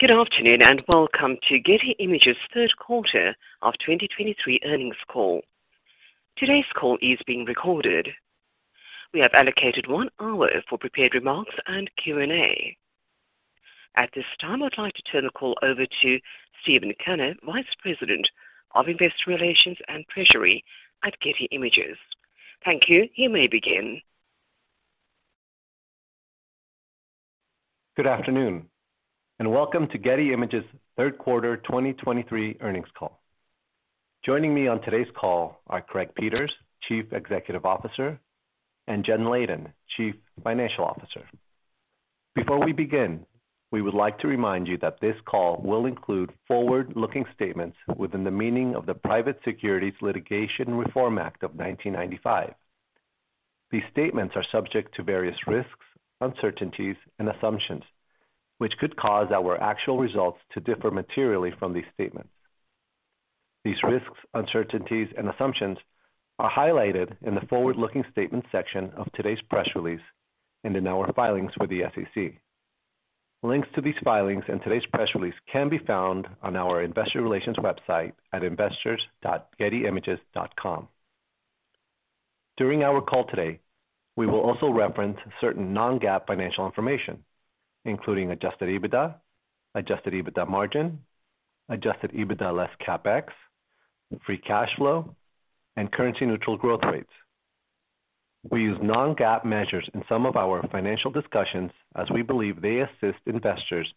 Good afternoon, and welcome to Getty Images' third quarter of 2023 earnings call. Today's call is being recorded. We have allocated one hour for prepared remarks and Q&A. At this time, I'd like to turn the call over to Steven Kanner, Vice President of Investor Relations and Treasury at Getty Images. Thank you. You may begin. Good afternoon, and welcome to Getty Images' third quarter 2023 earnings call. Joining me on today's call are Craig Peters, Chief Executive Officer, and Jen Leyden, Chief Financial Officer. Before we begin, we would like to remind you that this call will include forward-looking statements within the meaning of the Private Securities Litigation Reform Act of 1995. These statements are subject to various risks, uncertainties, and assumptions, which could cause our actual results to differ materially from these statements. These risks, uncertainties, and assumptions are highlighted in the forward-looking statement section of today's press release and in our filings with the SEC. Links to these filings and today's press release can be found on our investor relations website at investors.gettyimages.com. During our call today, we will also reference certain non-GAAP financial information, including Adjusted EBITDA, Adjusted EBITDA Margin, Adjusted EBITDA less CapEx, free cash flow, and currency-neutral growth rates. We use non-GAAP measures in some of our financial discussions as we believe they assist investors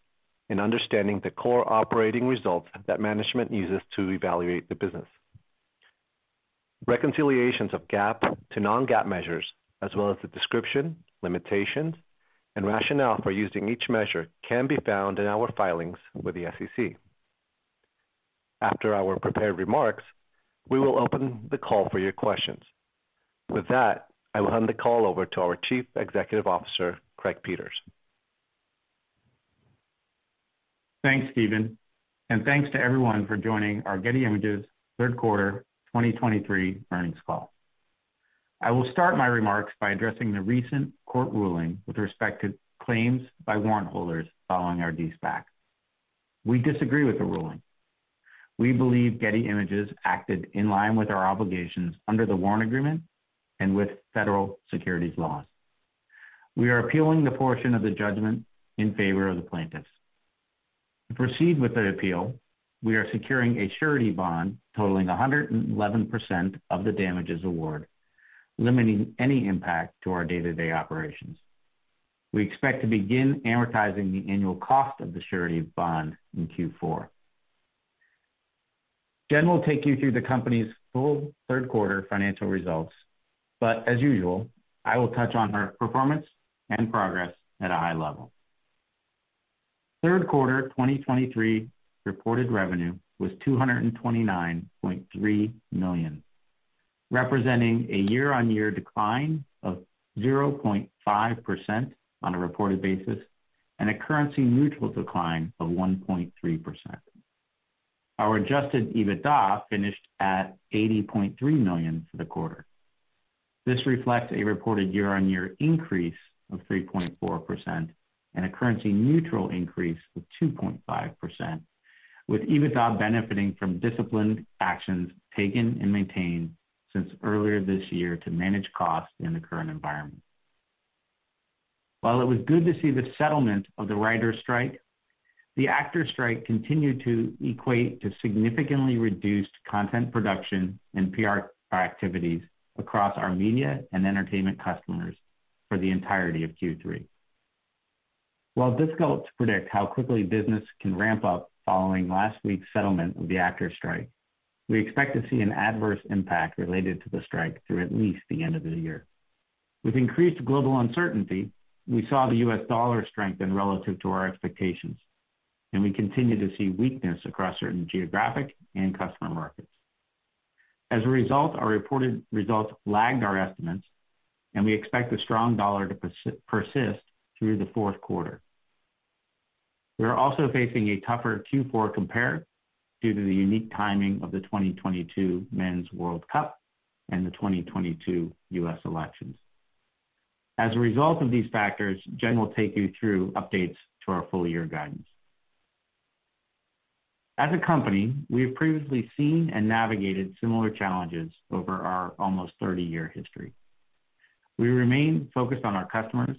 in understanding the core operating results that management uses to evaluate the business. Reconciliations of GAAP to non-GAAP measures, as well as the description, limitations, and rationale for using each measure, can be found in our filings with the SEC. After our prepared remarks, we will open the call for your questions. With that, I will hand the call over t o our Chief Executive Officer, Craig Peters. Thanks, Steven, and thanks to everyone for joining our Getty Images third quarter 2023 earnings call. I will start my remarks by addressing the recent court ruling with respect to claims by warrant holders following our De-SPAC. We disagree with the ruling. We believe Getty Images acted in line with our obligations under the warrant agreement and with federal securities laws. We are appealing the portion of the judgment in favor of the plaintiffs. To proceed with the appeal, we are securing a surety bond totaling 111% of the damages award, limiting any impact to our day-to-day operations. We expect to begin amortizing the annual cost of the surety bond in Q4. Jen will take you through the company's full third quarter financial results, but as usual, I will touch on our performance and progress at a high level. Third quarter 2023 reported revenue was $229.3 million, representing a year-on-year decline of 0.5% on a reported basis and a currency neutral decline of 1.3%. Our adjusted EBITDA finished at $80.3 million for the quarter. This reflects a reported year-on-year increase of 3.4% and a currency neutral increase of 2.5%, with EBITDA benefiting from disciplined actions taken and maintained since earlier this year to manage costs in the current environment. While it was good to see the settlement of the writers' strike, the actors' strike continued to equate to significantly reduced content production and PR activities across our media and entertainment customers for the entirety of Q3. While difficult to predict how quickly business can ramp up following last week's settlement of the actors' strike, we expect to see an adverse impact related to the strike through at least the end of the year. With increased global uncertainty, we saw the U.S. dollar strengthen relative to our expectations, and we continue to see weakness across certain geographic and customer markets. As a result, our reported results lagged our estimates, and we expect the strong dollar to persist through the fourth quarter. We are also facing a tougher Q4 compare due to the unique timing of the 2022 Men's World Cup and the 2022 U.S. elections. As a result of these factors, Jen will take you through updates to our full year guidance. As a company, we have previously seen and navigated similar challenges over our almost 30-year history. We remain focused on our customers,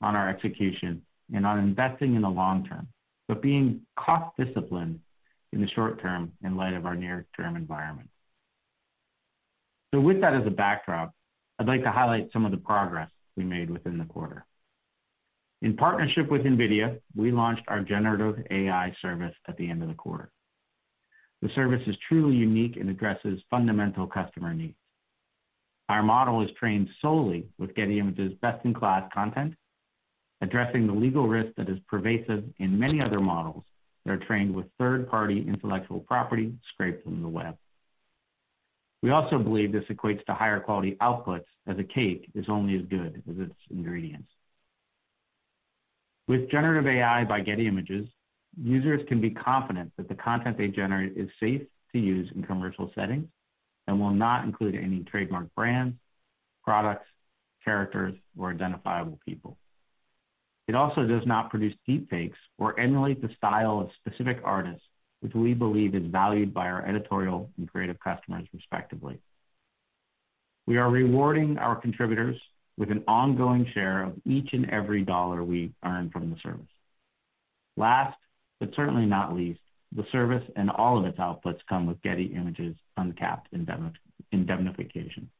on our execution, and on investing in the long term, but being cost disciplined in the short term in light of our near-term environment. With that as a backdrop, I'd like to highlight some of the progress we made within the quarter. In partnership with NVIDIA, we launched our Generative AI service at the end of the quarter. The service is truly unique and addresses fundamental customer needs. Our model is trained solely with Getty Images' best-in-class content, addressing the legal risk that is pervasive in many other models that are trained with third-party intellectual property scraped from the web. We also believe this equates to higher quality outputs, as a cake is only as good as its ingredients. With Generative AI by Getty Images, users can be confident that the content they generate is safe to use in commercial settings and will not include any trademarked brands, products, characters, or identifiable people. It also does not produce deepfakes or emulate the style of specific artists, which we believe is valued by our editorial and creative customers, respectively. We are rewarding our contributors with an ongoing share of each and every dollar we earn from the service. Last, but certainly not least, the service and all of its outputs come with Getty Images uncapped indemnification.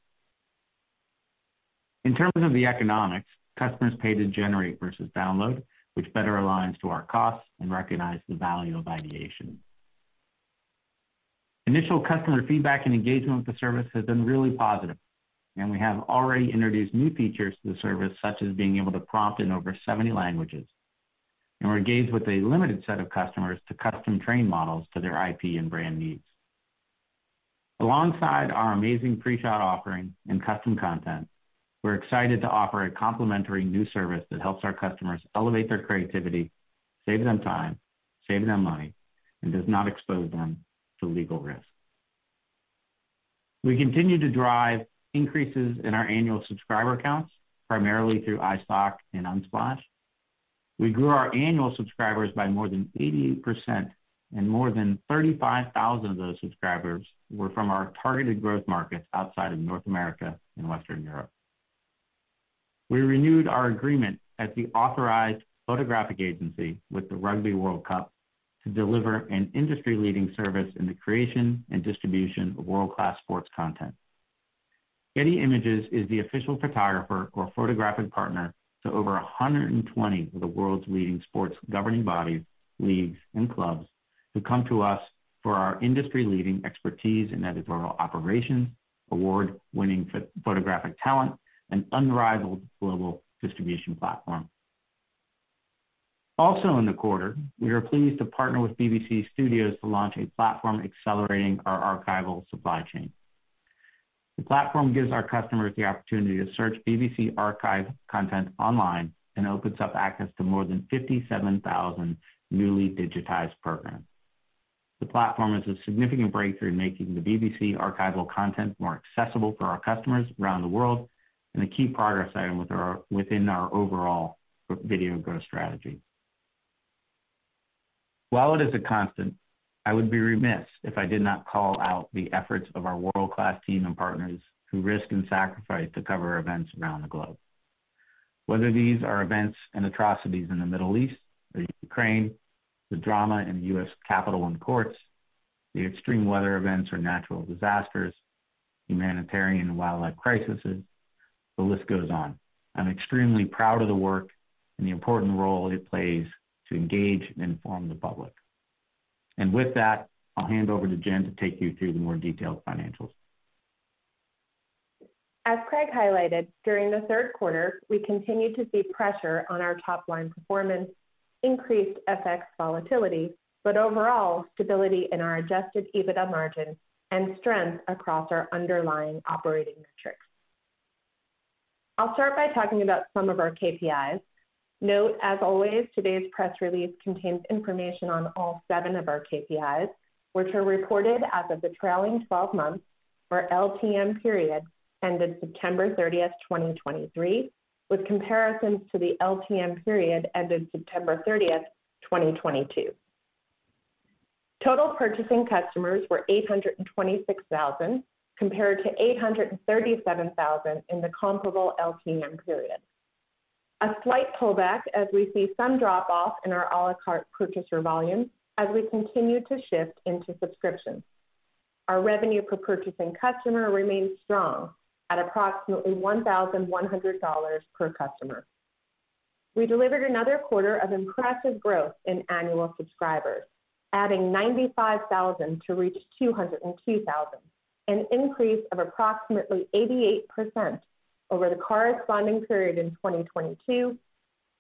In terms of the economics, customers pay to generate versus download, which better aligns to our costs and recognize the value of ideation. Initial customer feedback and engagement with the service has been really positive, and we have already introduced new features to the service, such as being able to prompt in over 70 languages. We're engaged with a limited set of customers to custom train models to their IP and brand needs. Alongside our amazing pre-shot offering and custom content, we're excited to offer a complimentary new service that helps our customers elevate their creativity, save them time, save them money, and does not expose them to legal risk. We continue to drive increases in our annual subscriber counts, primarily through iStock and Unsplash. We grew our annual subscribers by more than 88%, and more than 35,000 of those subscribers were from our targeted growth markets outside of North America and Western Europe. We renewed our agreement as the authorized photographic agency with the Rugby World Cup to deliver an industry-leading service in the creation and distribution of world-class sports content. Getty Images is the official photographer or photographic partner to over 120 of the world's leading sports governing bodies, leagues, and clubs, who come to us for our industry-leading expertise in editorial operations, award-winning photographic talent, and unrivaled global distribution platform. Also, in the quarter, we are pleased to partner with BBC Studios to launch a platform accelerating our archival supply chain. The platform gives our customers the opportunity to search BBC archive content online and opens up access to more than 57,000 newly digitized programs. The platform is a significant breakthrough in making the BBC archival content more accessible for our customers around the world and a key progress item within our overall video growth strategy. While it is a constant, I would be remiss if I did not call out the efforts of our world-class team and partners who risk and sacrifice to cover events around the globe. Whether these are events and atrocities in the Middle East or Ukraine, the drama in the U.S. Capitol and courts, the extreme weather events or natural disasters, humanitarian and wildlife crises, the list goes on. I'm extremely proud of the work and the important role it plays to engage and inform the public. And with that, I'll hand over to Jen to take you through the more detailed financials. As Craig highlighted, during the third quarter, we continued to see pressure on our top-line performance, increased FX volatility, but overall, stability in our Adjusted EBITDA margin and strength across our underlying operating metrics. I'll start by talking about some of our KPIs. Note, as always, today's press release contains information on all seven of our KPIs, which are reported as of the trailing twelve months, or LTM period, ended September 30, 2023, with comparisons to the LTM period ended September 30, 2022. Total purchasing customers were 826,000, compared to 837,000 in the comparable LTM period. A slight pullback as we see some drop-off in our a la carte purchaser volume as we continue to shift into subscriptions. Our revenue per purchasing customer remains strong at approximately $1,100 per customer. We delivered another quarter of impressive growth in annual subscribers, adding 95,000 to reach 202,000, an increase of approximately 88% over the corresponding period in 2022,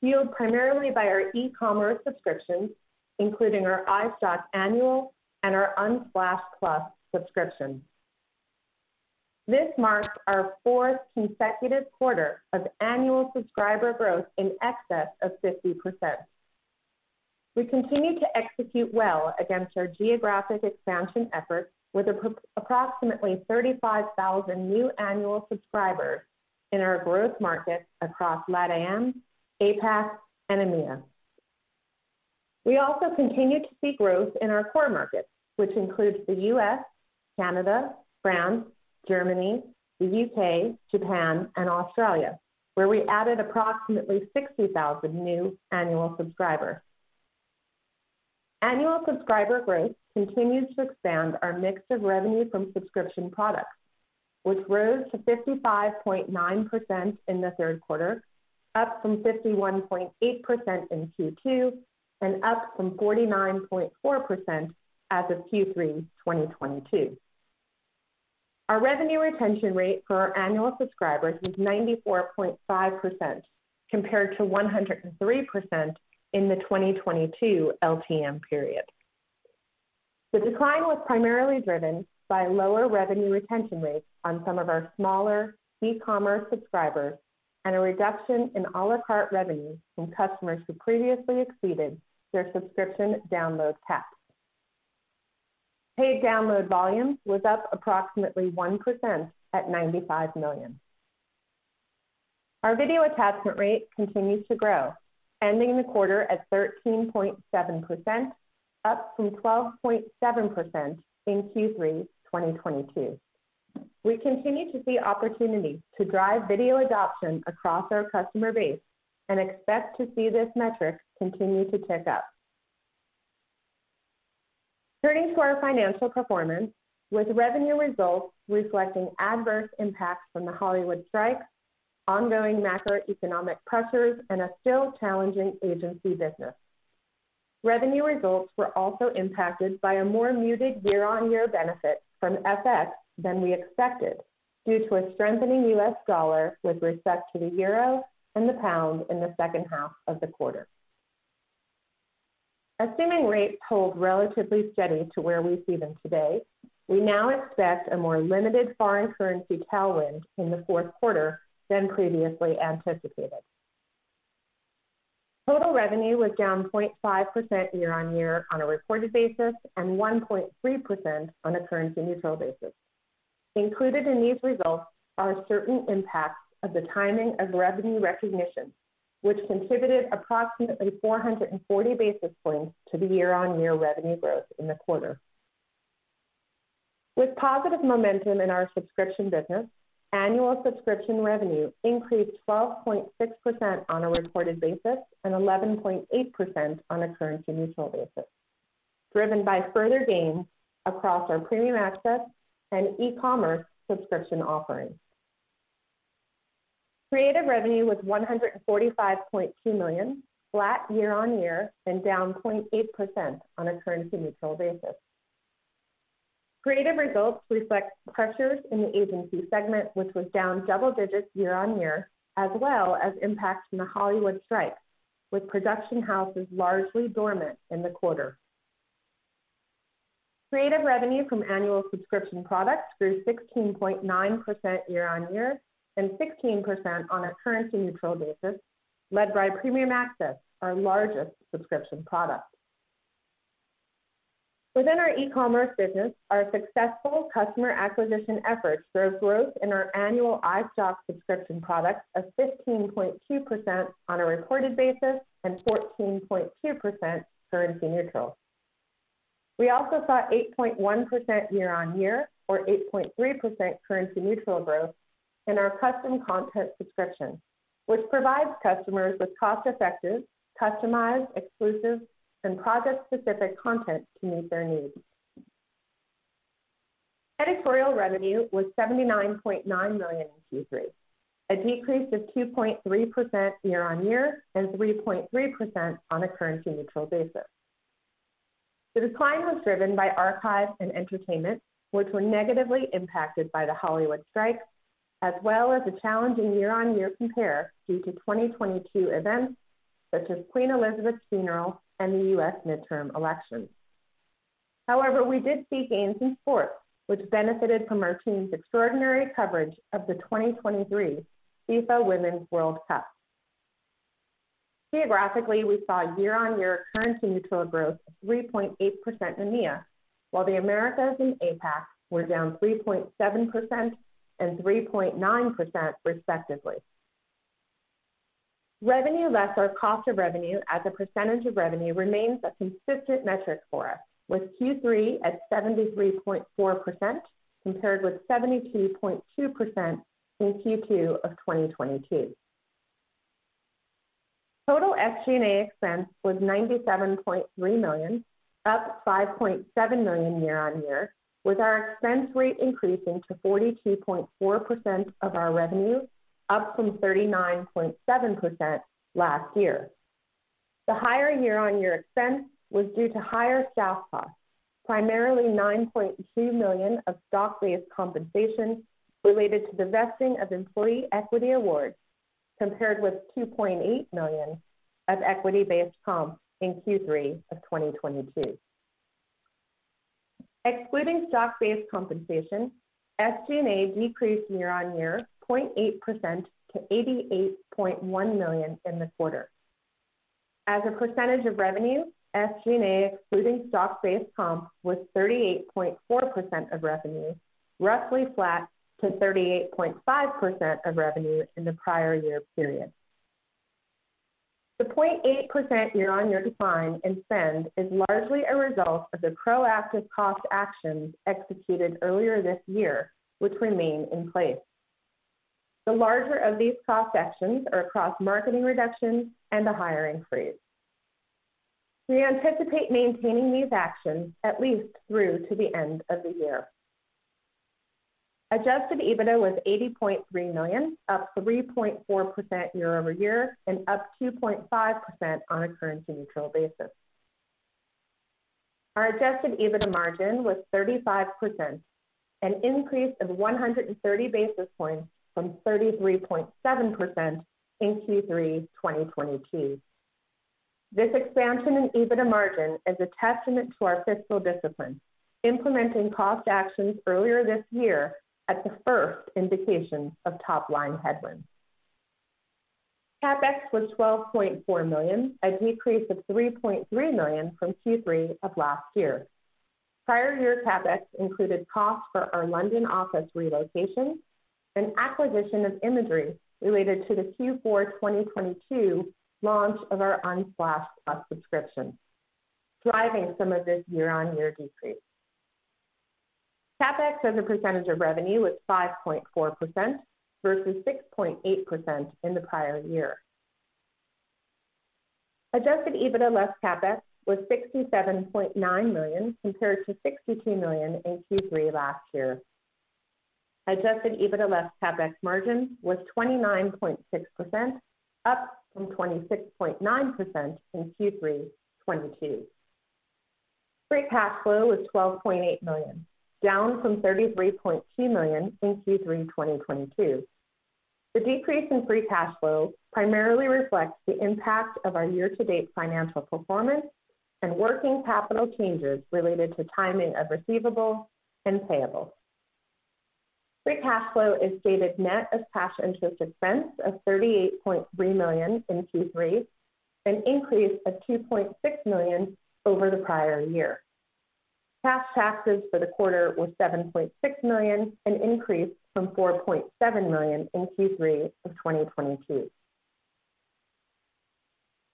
fueled primarily by our e-commerce subscriptions, including our iStock Annual and our Unsplash+ subscription. This marks our fourth consecutive quarter of annual subscriber growth in excess of 50%. We continue to execute well against our geographic expansion efforts, with approximately 35,000 new annual subscribers in our growth markets across LATAM, APAC, and EMEA. We also continued to see growth in our core markets, which includes the U.S., Canada, France, Germany, the U.K., Japan, and Australia, where we added approximately 60,000 new annual subscribers. Annual subscriber growth continues to expand our mix of revenue from subscription products, which rose to 55.9% in the third quarter, up from 51.8% in Q2, and up from 49.4% as of Q3 2022. Our revenue retention rate for our annual subscribers was 94.5%, compared to 103% in the 2022 LTM period. The decline was primarily driven by lower revenue retention rates on some of our smaller e-commerce subscribers and a reduction in a la carte revenue from customers who previously exceeded their subscription download caps.... Paid download volume was up approximately 1% at 95 million. Our video attachment rate continues to grow, ending the quarter at 13.7%, up from 12.7% in Q3 2022. We continue to see opportunities to drive video adoption across our customer base and expect to see this metric continue to tick up. Turning to our financial performance, with revenue results reflecting adverse impacts from the Hollywood strikes, ongoing macroeconomic pressures, and a still challenging agency business, revenue results were also impacted by a more muted year-on-year benefit from FX than we expected, due to a strengthening U.S. dollar with respect to the euro and the pound in the second half of the quarter. Assuming rates hold relatively steady to where we see them today, we now expect a more limited foreign currency tailwind in the fourth quarter than previously anticipated. Total revenue was down 0.5% year-on-year on a reported basis, and 1.3% on a currency neutral basis. Included in these results are certain impacts of the timing of revenue recognition, which contributed approximately 440 basis points to the year-on-year revenue growth in the quarter. With positive momentum in our subscription business, annual subscription revenue increased 12.6% on a reported basis and 11.8% on a currency neutral basis, driven by further gains across our Premium Access and e-commerce subscription offerings. Creative revenue was $145.2 million, flat year-on-year and down 0.8% on a currency neutral basis. Creative results reflect pressures in the agency segment, which was down double digits year-on-year, as well as impacts from the Hollywood strike, with production houses largely dormant in the quarter. Creative revenue from annual subscription products grew 16.9% year-over-year and 16% on a currency neutral basis, led by Premium Access, our largest subscription product. Within our e-commerce business, our successful customer acquisition efforts drove growth in our annual iStock subscription products of 15.2% on a reported basis and 14.2% currency neutral. We also saw 8.1% year-over-year or 8.3% currency neutral growth in our custom content subscription, which provides customers with cost-effective, customized, exclusive, and project-specific content to meet their needs. Editorial revenue was $79.9 million in Q3, a decrease of 2.3% year-over-year and 3.3% on a currency neutral basis. The decline was driven by Archive and Entertainment, which were negatively impacted by the Hollywood strike, as well as a challenging year-on-year compare due to 2022 events such as Queen Elizabeth's funeral and the U.S. midterm elections. However, we did see gains in sports, which benefited from our team's extraordinary coverage of the 2023 FIFA Women's World Cup. Geographically, we saw year-on-year currency neutral growth of 3.8% in EMEA, while the Americas and APAC were down 3.7% and 3.9% respectively. Revenue less our cost of revenue as a percentage of revenue remains a consistent metric for us, with Q3 at 73.4%, compared with 72.2% in Q2 of 2022. Total SG&A expense was $97.3 million, up $5.7 million year-on-year, with our expense rate increasing to 43.4% of our revenue, up from 39.7% last year. The higher year-on-year expense was due to higher staff costs, primarily $9.2 million of stock-based compensation related to the vesting of employee equity awards, compared with $2.8 million of equity-based comp in Q3 of 2022. Excluding stock-based compensation, SG&A decreased year-on-year 0.8% to $88.1 million in the quarter. As a percentage of revenue, SG&A, excluding stock-based comp, was 38.4% of revenue, roughly flat to 38.5% of revenue in the prior year period. The 0.8% year-on-year decline in spend is largely a result of the proactive cost actions executed earlier this year, which remain in place. The larger of these cost actions are across marketing reductions and a hiring freeze. We anticipate maintaining these actions at least through to the end of the year. Adjusted EBITDA was $80.3 million, up 3.4% year-over-year and up 2.5% on a currency neutral basis. Our adjusted EBITDA margin was 35%, an increase of 130 basis points from 33.7% in Q3 2022. This expansion in EBITDA margin is a testament to our fiscal discipline, implementing cost actions earlier this year at the first indication of top-line headwinds. CapEx was $12.4 million, a decrease of $3.3 million from Q3 of last year. Prior year CapEx included costs for our London office relocation and acquisition of imagery related to the Q4 2022 launch of our Unsplash+ subscription, driving some of this year-on-year decrease. CapEx as a percentage of revenue was 5.4% versus 6.8% in the prior year. Adjusted EBITDA less CapEx was $67.9 million, compared to $62 million in Q3 last year. Adjusted EBITDA less CapEx margin was 29.6%, up from 26.9% in Q3 2022. Free cash flow was $12.8 million, down from $33.2 million in Q3 2022. The decrease in free cash flow primarily reflects the impact of our year-to-date financial performance and working capital changes related to timing of receivables and payables. Free cash flow is stated net of cash interest expense of $38.3 million in Q3, an increase of $2.6 million over the prior year. Cash taxes for the quarter were $7.6 million, an increase from $4.7 million in Q3 of 2022.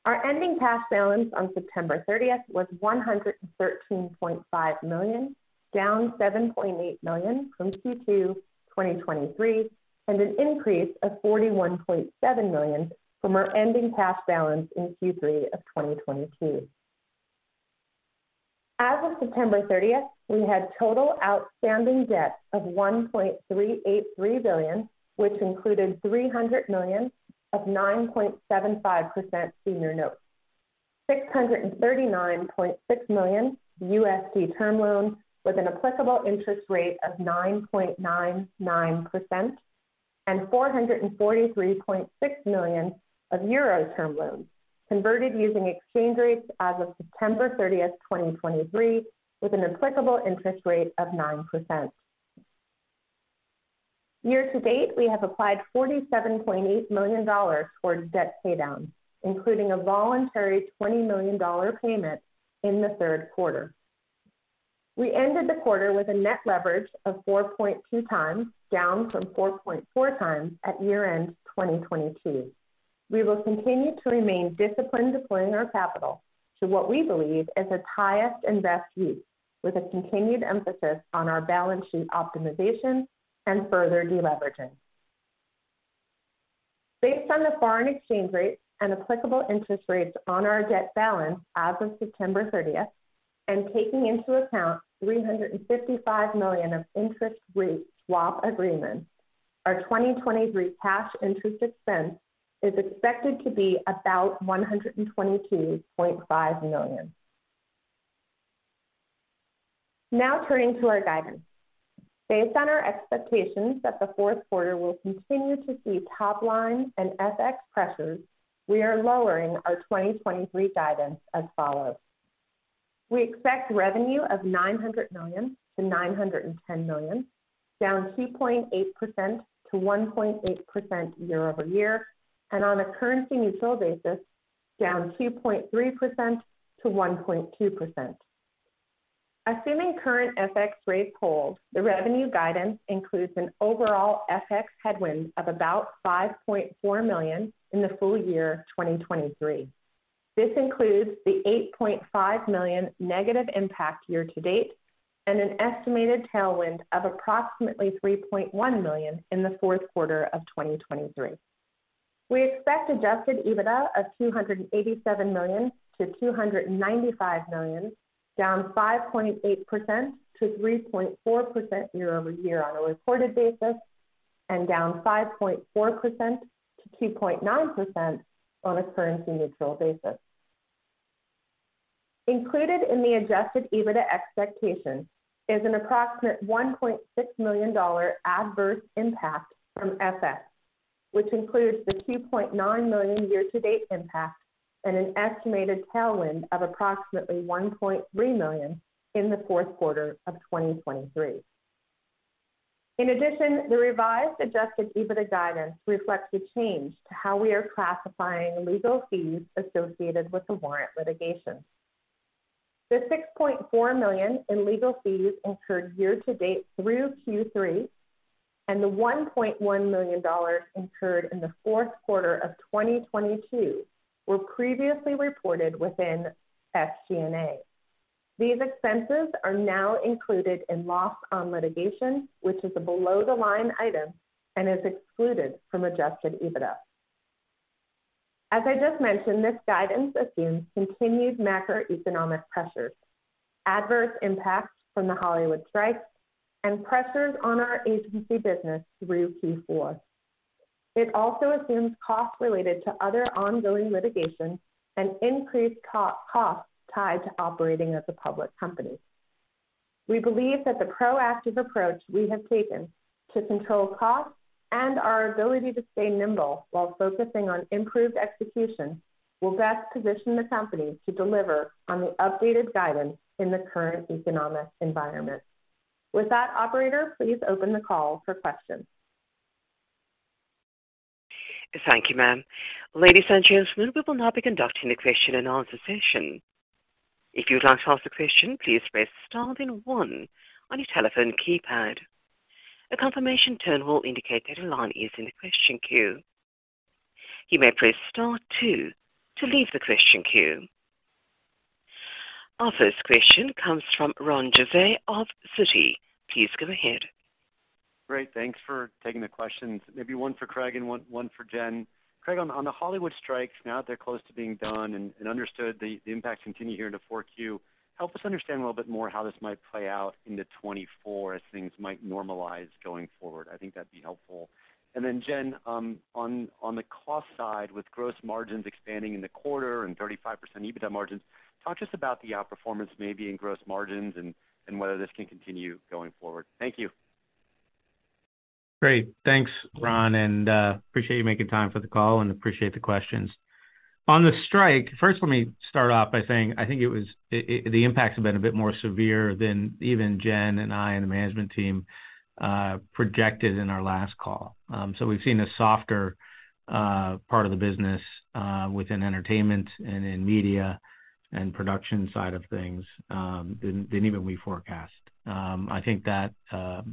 Our ending cash balance on September 30th was $113.5 million, down $7.8 million from Q2 2023, and an increase of $41.7 million from our ending cash balance in Q3 of 2022. As of September 30th, we had total outstanding debt of $1.383 billion, which included $300 million of 9.75% senior notes, $639.6 million term loans with an applicable interest rate of 9.99%, and 443.6 million euro term loans, converted using exchange rates as of September 30th, 2023, with an applicable interest rate of 9%. Year to date, we have applied $47.8 million towards debt paydown, including a voluntary $20 million payment in the third quarter. We ended the quarter with a net leverage of 4.2x, down from 4.4x at year-end 2022. We will continue to remain disciplined deploying our capital to what we believe is its highest and best use, with a continued emphasis on our balance sheet optimization and further deleveraging. Based on the foreign exchange rates and applicable interest rates on our debt balance as of September 30th, and taking into account $355 million of interest rate swap agreements, our 2023 cash interest expense is expected to be about $122.5 million. Now turning to our guidance. Based on our expectations that the fourth quarter will continue to see top line and FX pressures, we are lowering our 2023 guidance as follows: We expect revenue of $900 million-$910 million, down 2.8%-1.8% year-over-year, and on a currency neutral basis, down 2.3%-1.2%. Assuming current FX rates hold, the revenue guidance includes an overall FX headwind of about $5.4 million in the full year 2023. This includes the $8.5 million negative impact year to date, and an estimated tailwind of approximately $3.1 million in the fourth quarter of 2023. We expect Adjusted EBITDA of $287 million-$295 million, down 5.8%-3.4% year-over-year on a reported basis, and down 5.4%-2.9% on a currency-neutral basis. Included in the Adjusted EBITDA expectation is an approximate $1.6 million adverse impact from FX, which includes the $2.9 million year-to-date impact and an estimated tailwind of approximately $1.3 million in the fourth quarter of 2023. In addition, the revised Adjusted EBITDA guidance reflects a change to how we are classifying legal fees associated with the warrant litigation. The $6.4 million in legal fees incurred year-to-date through Q3 and the $1.1 million incurred in the fourth quarter of 2022 were previously reported within SG&A. These expenses are now included in loss on litigation, which is a below-the-line item and is excluded from Adjusted EBITDA. As I just mentioned, this guidance assumes continued macroeconomic pressures, adverse impacts from the Hollywood strikes, and pressures on our agency business through Q4. It also assumes costs related to other ongoing litigation and increased co, costs tied to operating as a public company. We believe that the proactive approach we have taken to control costs and our ability to stay nimble while focusing on improved execution, will best position the company to deliver on the updated guidance in the current economic environment.... With that, operator, please open the call for questions. Thank you, ma'am. Ladies and gentlemen, we will now be conducting the question and answer session. If you'd like to ask a question, please press star then one on your telephone keypad. A confirmation tone will indicate that your line is in the question queue. You may press star two to leave the question queue. Our first question comes from Ron Josey of Citi. Please go ahead. Great, thanks for taking the questions. Maybe one for Craig and one for Jen. Craig, on the Hollywood strikes, now they're close to being done and understood the impacts continue here into Q4. Help us understand a little bit more how this might play out into 2024 as things might normalize going forward. I think that'd be helpful. And then, Jen, on the cost side, with gross margins expanding in the quarter and 35% EBITDA margins, talk to us about the outperformance maybe in gross margins and whether this can continue going forward. Thank you. Great. Thanks, Ron, and appreciate you making time for the call and appreciate the questions. On the strike, first, let me start off by saying I think the impacts have been a bit more severe than even Jen and I and the management team projected in our last call. So we've seen a softer part of the business within entertainment and in media and production side of things than even we forecast. I think that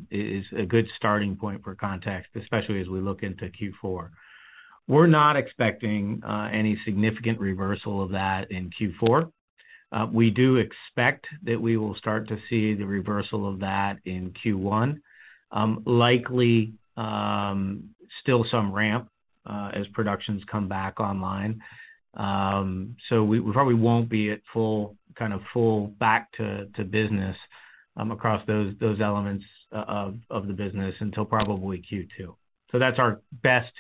is a good starting point for context, especially as we look into Q4. We're not expecting any significant reversal of that in Q4. We do expect that we will start to see the reversal of that in Q1. Likely still some ramp as productions come back online. So we probably won't be at full, kind of full back to business across those elements of the business until probably Q2. So that's our best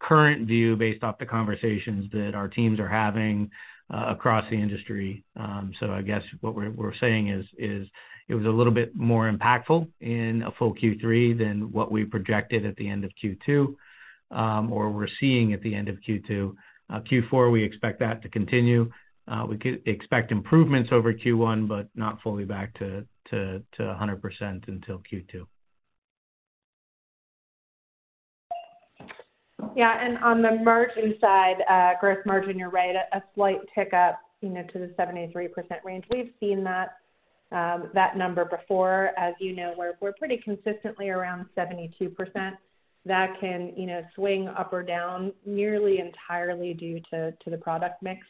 current view based off the conversations that our teams are having across the industry. So I guess what we're saying is it was a little bit more impactful in a full Q3 than what we projected at the end of Q2, or we're seeing at the end of Q2. Q4, we expect that to continue. We could expect improvements over Q1, but not fully back to 100% until Q2. Yeah, and on the margin side, gross margin, you're right, a slight tick-up, you know, to the 73% range. We've seen that, that number before. As you know, we're, we're pretty consistently around 72%. That can, you know, swing up or down nearly entirely due to, to the product mix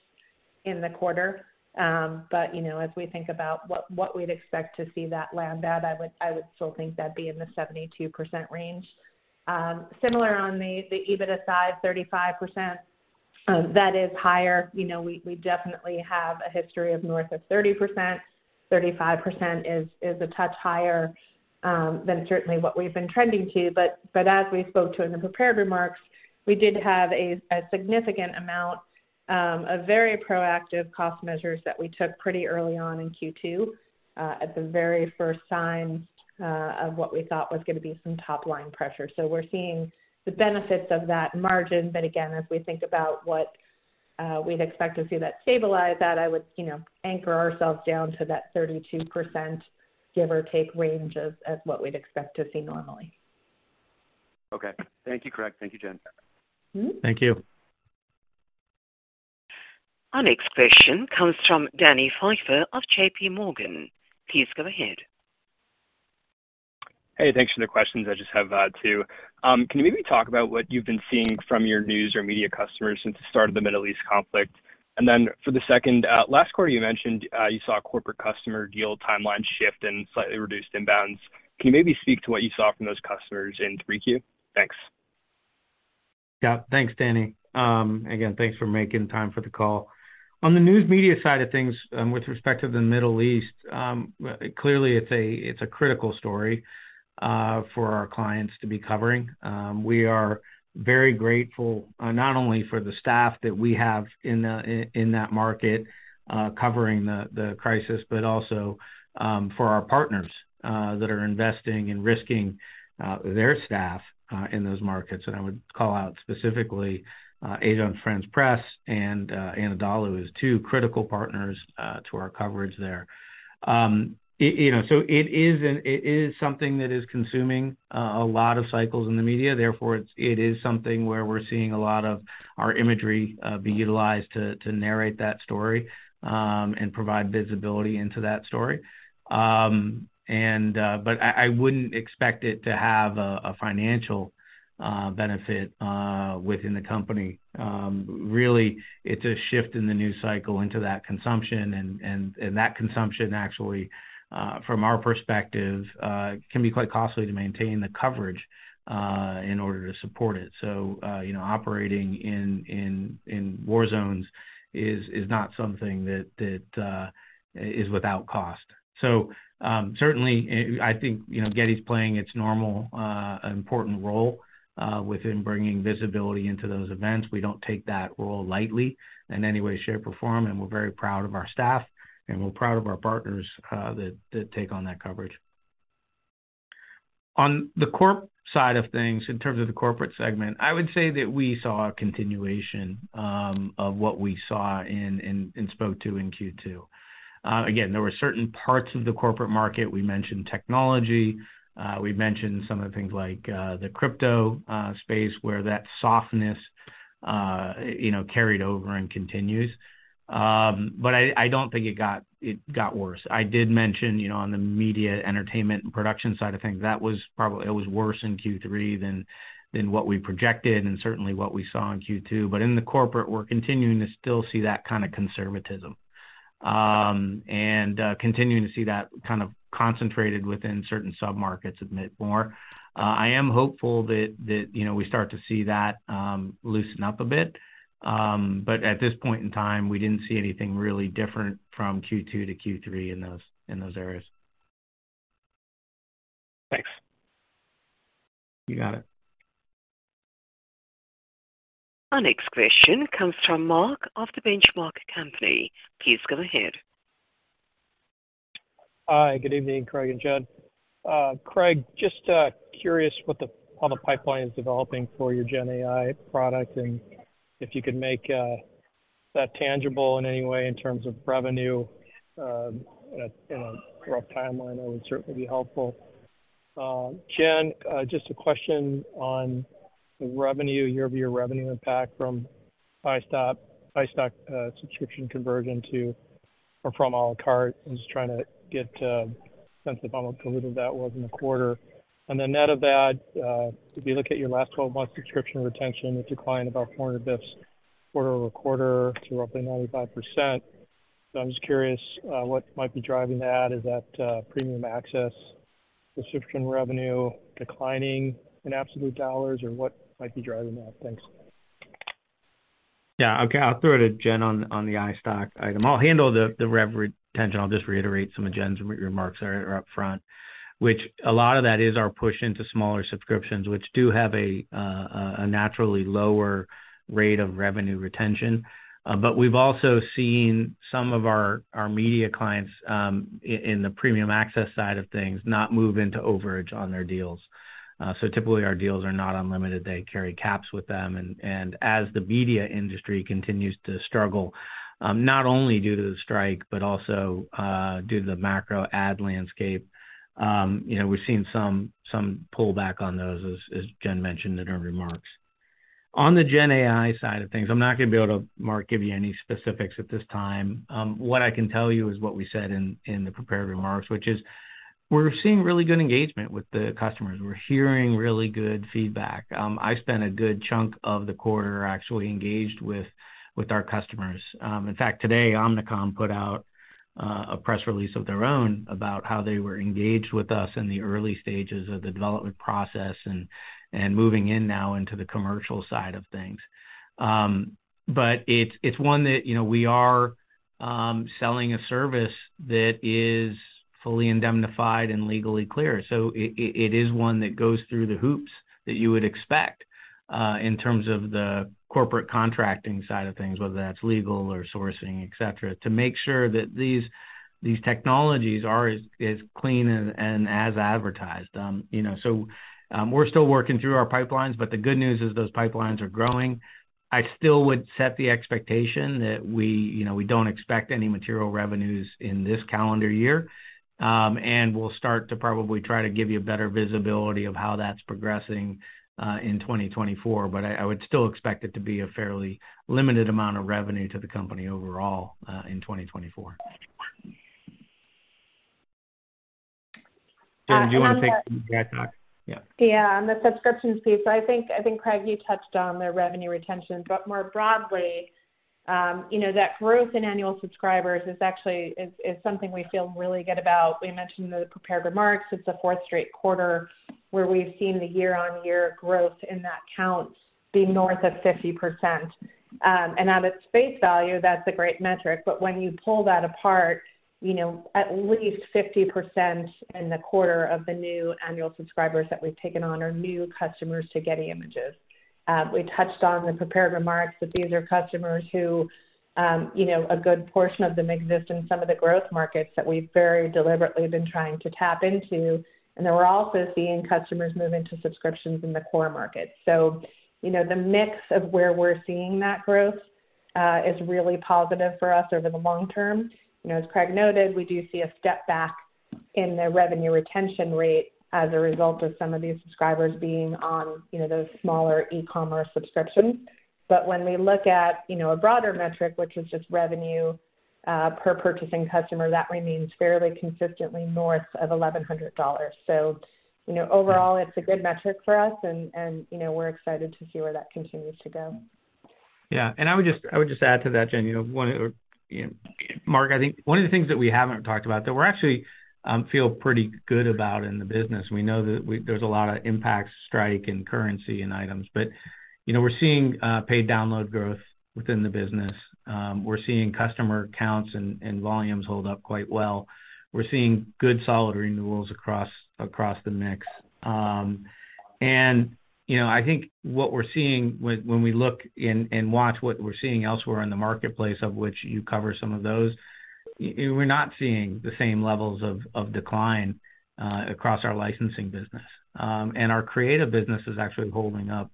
in the quarter. But, you know, as we think about what, what we'd expect to see that land at, I would, I would still think that'd be in the 72% range. Similar on the, the EBITDA side, 35%, that is higher. You know, we, we definitely have a history of north of 30%. 35% is a touch higher than certainly what we've been trending to, but as we spoke to in the prepared remarks, we did have a significant amount, a very proactive cost measures that we took pretty early on in Q2, at the very first signs of what we thought was gonna be some top-line pressure. So we're seeing the benefits of that margin, but again, as we think about what we'd expect to see that stabilize, that I would, you know, anchor ourselves down to that 32% give or take range of what we'd expect to see normally. Okay. Thank you, Craig. Thank you, Jen. Mm-hmm. Thank you. Our next question comes from Danny Pfeiffer of JPMorgan. Please go ahead. Hey, thanks for the questions. I just have two. Can you maybe talk about what you've been seeing from your news or media customers since the start of the Middle East conflict? And then for the second, last quarter, you mentioned, you saw a corporate customer deal timeline shift and slightly reduced inbounds. Can you maybe speak to what you saw from those customers in Q3? Thanks. Yeah. Thanks, Danny. Again, thanks for making time for the call. On the news media side of things, with respect to the Middle East, clearly, it's a critical story for our clients to be covering. We are very grateful not only for the staff that we have in that market covering the crisis, but also for our partners that are investing and risking their staff in those markets. And I would call out specifically Agence France-Presse and Anadolu as two critical partners to our coverage there. You know, so it is something that is consuming a lot of cycles in the media. Therefore, it is something where we're seeing a lot of our imagery be utilized to narrate that story, and provide visibility into that story. But I wouldn't expect it to have a financial benefit within the company. Really, it's a shift in the news cycle into that consumption, and that consumption, actually, from our perspective, can be quite costly to maintain the coverage in order to support it. So, you know, operating in war zones is not something that is without cost. So, certainly, I think, you know, Getty is playing its normal important role within bringing visibility into those events. We don't take that role lightly in any way, shape, or form, and we're very proud of our staff, and we're proud of our partners that take on that coverage. On the corp side of things, in terms of the corporate segment, I would say that we saw a continuation of what we saw in spoke to in Q2. Again, there were certain parts of the corporate market. We mentioned technology, we mentioned some of the things like the crypto space where that softness you know carried over and continues. But I don't think it got worse. I did mention you know on the media entertainment and production side of things, that was probably worse in Q3 than what we projected and certainly what we saw in Q2. But in the corporate, we're continuing to still see that kind of conservatism and continuing to see that kind of concentrated within certain submarkets a bit more. I am hopeful that you know, we start to see that loosen up a bit. But at this point in time, we didn't see anything really different from Q2 to Q3 in those areas. Thanks. You got it. Our next question comes from Mark of the Benchmark Company. Please go ahead. Hi, good evening, Craig and Jen. Craig, just curious what the, how the pipeline is developing for your Gen AI product, and if you could make that tangible in any way in terms of revenue, in a rough timeline, that would certainly be helpful. Jen, just a question on the revenue, year-over-year revenue impact from iStock, iStock subscription conversion to, or from à la carte. I was trying to get a sense of how much diluted that was in the quarter. Then net of that, if you look at your last twelve-month subscription retention, it declined about 400 basis points quarter-over-quarter to roughly 95%. So I'm just curious what might be driving that. Is that Premium Access subscription revenue declining in absolute dollars, or what might be driving that? Thanks. Yeah. Okay, I'll throw it to Jen on the iStock item. I'll handle the rev retention. I'll just reiterate some of Jen's remarks up front, which a lot of that is our push into smaller subscriptions, which do have a naturally lower rate of revenue retention. But we've also seen some of our media clients in the Premium Access side of things, not move into overage on their deals. So typically our deals are not unlimited. They carry caps with them. And as the media industry continues to struggle, not only due to the strike, but also due to the macro ad landscape, you know, we've seen some pullback on those, as Jen mentioned in her remarks. On the Gen AI side of things, I'm not going to be able to, Mark, give you any specifics at this time. What I can tell you is what we said in the prepared remarks, which is we're seeing really good engagement with the customers. We're hearing really good feedback. I spent a good chunk of the quarter actually engaged with our customers. In fact, today, Omnicom put out a press release of their own about how they were engaged with us in the early stages of the development process and moving in now into the commercial side of things. But it's one that, you know, we are selling a service that is fully indemnified and legally clear. So it is one that goes through the hoops that you would expect in terms of the corporate contracting side of things, whether that's legal or sourcing, et cetera, to make sure that these technologies are as clean and as advertised. You know, so we're still working through our pipelines, but the good news is those pipelines are growing. I still would set the expectation that we, you know, we don't expect any material revenues in this calendar year. And we'll start to probably try to give you better visibility of how that's progressing in 2024. But I would still expect it to be a fairly limited amount of revenue to the company overall in 2024. Jen, do you want to take iStock? Yeah. Yeah. On the subscriptions piece, I think, Craig, you touched on the revenue retention, but more broadly, you know, that growth in annual subscribers is actually something we feel really good about. We mentioned in the prepared remarks. It's the fourth straight quarter where we've seen the year-on-year growth in that count being north of 50%. And at its face value, that's a great metric. But when you pull that apart, you know, at least 50% in the quarter of the new annual subscribers that we've taken on are new customers to Getty Images. We touched on the prepared remarks that these are customers who, you know, a good portion of them exist in some of the growth markets that we've very deliberately been trying to tap into. Then we're also seeing customers move into subscriptions in the core markets. So, you know, the mix of where we're seeing that growth is really positive for us over the long term. You know, as Craig noted, we do see a step back in the revenue retention rate as a result of some of these subscribers being on, you know, those smaller e-commerce subscriptions. But when we look at, you know, a broader metric, which is just revenue per purchasing customer, that remains fairly consistently north of $1,100. So, you know, overall, it's a good metric for us and, you know, we're excited to see where that continues to go. Yeah, and I would just, I would just add to that, Jen, you know, one of, you know, Mark, I think one of the things that we haven't talked about that we're actually feel pretty good about in the business, we know that there's a lot of impacts, strike and currency and items, but, you know, we're seeing paid download growth within the business. We're seeing customer counts and, and volumes hold up quite well. We're seeing good, solid renewals across, across the mix. And, you know, I think what we're seeing when, when we look and, and watch what we're seeing elsewhere in the marketplace, of which you cover some of those. We're not seeing the same levels of, of decline across our licensing business. And our creative business is actually holding up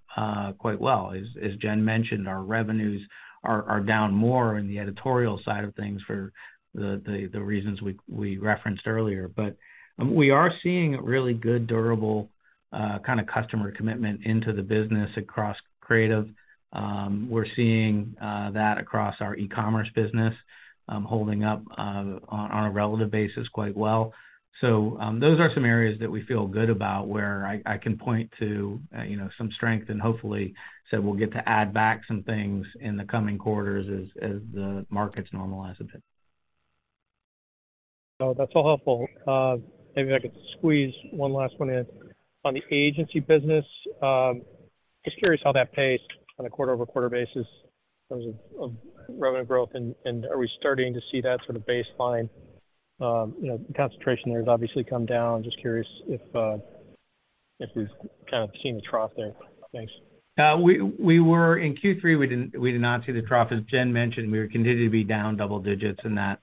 quite well. As Jen mentioned, our revenues are down more in the editorial side of things for the reasons we referenced earlier. But we are seeing really good, durable kind of customer commitment into the business across creative. We're seeing that across our e-commerce business holding up on a relative basis quite well. So those are some areas that we feel good about, where I can point to you know some strength and hopefully we'll get to add back some things in the coming quarters as the markets normalize a bit. Oh, that's all helpful. Maybe I could squeeze one last one in. On the agency business, just curious how that paced on a quarter-over-quarter basis in terms of revenue growth, and are we starting to see that sort of baseline? You know, the concentration there has obviously come down. Just curious if we've kind of seen the trough there. Thanks. We were in Q3, we did not see the trough. As Jen mentioned, we continued to be down double digits in that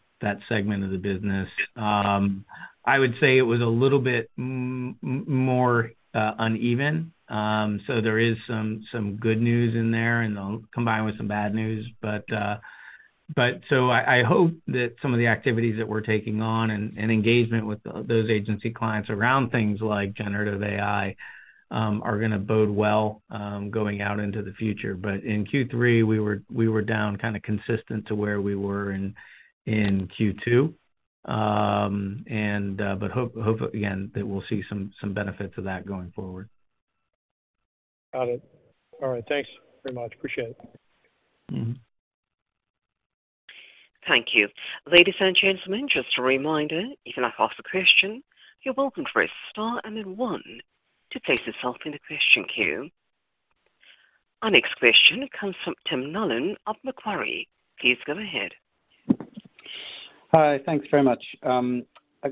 segment of the business. I would say it was a little bit more uneven. So there is some good news in there, and combined with some bad news. But so I hope that some of the activities that we're taking on and engagement with those agency clients around things like generative AI are gonna bode well going out into the future. But in Q3, we were down kinda consistent to where we were in Q2. And hope again that we'll see some benefit to that going forward. Got it. All right. Thanks very much. Appreciate it. Mm-hmm. Thank you. Ladies and gentlemen, just a reminder, if you'd like to ask a question, you're welcome to press star and then one to place yourself in the question queue. Our next question comes from Tim Nollen of Macquarie. Please go ahead. Hi, thanks very much.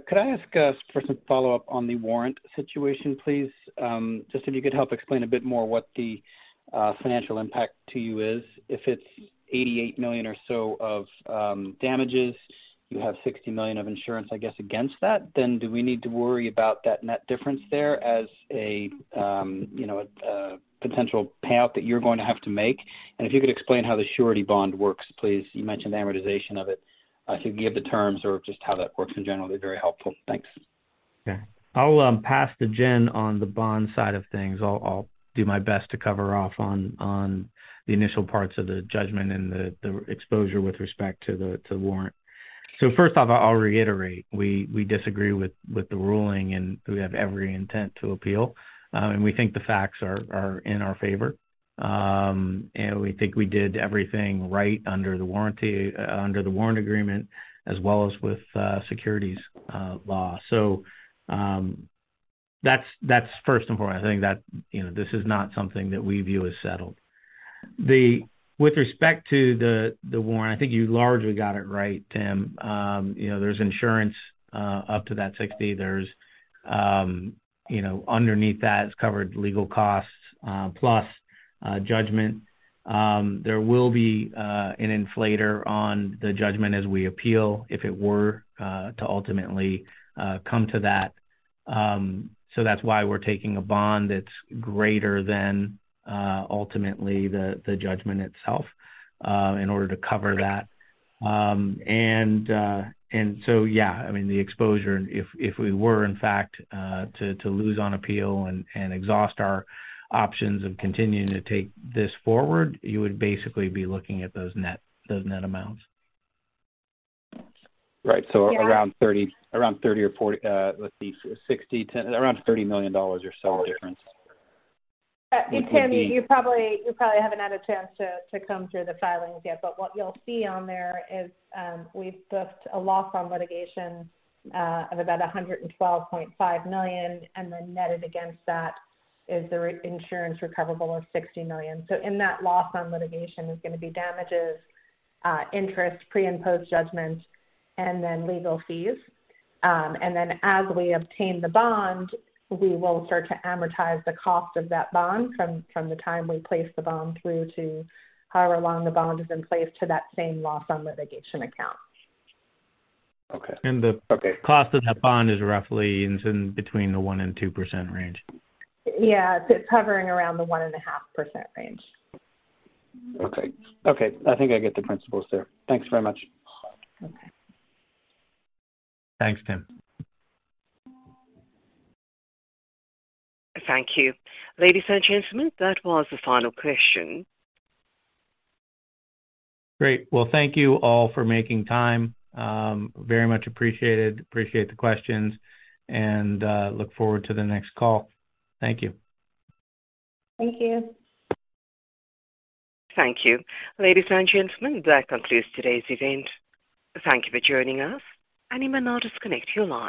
Could I ask for some follow-up on the warrant situation, please? Just if you could help explain a bit more what the financial impact to you is. If it's $88 million or so of damages, you have $60 million of insurance, I guess, against that, then do we need to worry about that net difference there as a, you know, a potential payout that you're going to have to make? And if you could explain how the surety bond works, please. You mentioned amortization of it. If you could give the terms or just how that works in general, be very helpful. Thanks. Yeah. I'll pass to Jen on the bond side of things. I'll do my best to cover off on the initial parts of the judgment and the exposure with respect to the warrant. So first off, I'll reiterate, we disagree with the ruling, and we have every intent to appeal, and we think the facts are in our favor. And we think we did everything right under the warranty under the warrant agreement, as well as with securities law. So, that's first and foremost. I think that, you know, this is not something that we view as settled. With respect to the warrant, I think you largely got it right, Tim. You know, there's insurance up to that $60. There's, you know, underneath that. It's covered legal costs, plus judgment. There will be an inflator on the judgment as we appeal, if it were to ultimately come to that. So that's why we're taking a bond that's greater than ultimately the judgment itself in order to cover that. And so, yeah, I mean, the exposure, if we were in fact to lose on appeal and exhaust our options of continuing to take this forward, you would basically be looking at those net amounts. Right. Yeah. So around 30, around 30 or 40, let's see, 60, 10, around $30 million or so difference. Tim, you probably haven't had a chance to comb through the filings yet, but what you'll see on there is we've booked a loss on litigation of about $112.5 million, and then netted against that is the reinsurance recoverable of $60 million. So in that loss on litigation is gonna be damages, interest, pre- and post-judgment, and then legal fees. And then as we obtain the bond, we will start to amortize the cost of that bond from the time we place the bond through to however long the bond is in place to that same loss on litigation account. Okay. And the- Okay. Cost of that bond is roughly in between the 1%-2% range. Yeah, it's hovering around the 1.5% range. Okay. Okay, I think I get the principles there. Thanks very much. Okay. Thanks, Tim. Thank you. Ladies and gentlemen, that was the final question. Great. Well, thank you all for making time. Very much appreciated. Appreciate the questions, and look forward to the next call. Thank you. Thank you. Thank you. Ladies and gentlemen, that concludes today's event. Thank you for joining us, and you may now disconnect your lines.